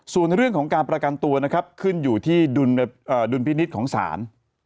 ส่วนเรื่องของการประกันตัวนะครับขึ้นอยู่ที่ดุลพินิษฐ์ของศาล